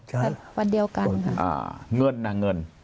ใช่ค่ะวันเดียวกันค่ะอ่าเงื่อนนะเงื่อน